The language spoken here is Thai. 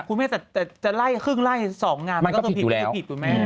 คุณเมธรัมป์จะลากให้คลึง๒รายมันก็จะผิดหรือไม่